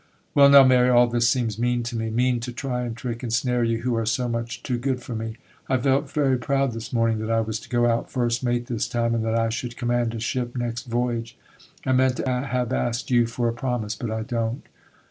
'Well, now, Mary, all this seems mean to me,—mean to try and trick and snare you, who are so much too good for me. I felt very proud this morning that I was to go out first mate this time, and that I should command a ship next voyage. I meant to have asked you for a promise, but I don't.